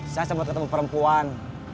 saya sempat ketemu perempuan